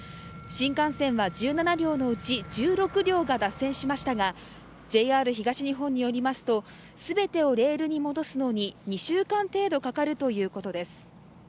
新幹線は１７両のうち１６両が脱線しましたが、ＪＲ東日本によりますと、全てをレールに戻すのに２週間程度かかるということです。